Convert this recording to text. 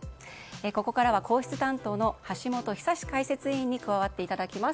ここからは皇室担当の橋本寿史解説委員に加わっていただきます。